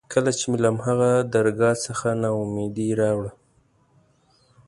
کله چې مې له هماغه درګاه څخه نا اميدي راوړه.